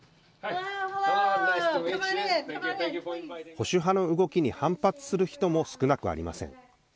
保守派の動きに反発する人も少なくありません。